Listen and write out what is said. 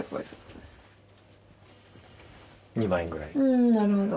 うんなるほど。